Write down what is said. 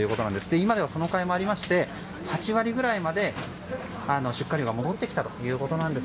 今ではそのかいもありまして８割ぐらいまで出荷量が戻ってきたということです。